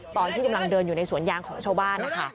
ตอนที่กำลังเดินอยู่ในสวนยางของชาวบ้านนะคะ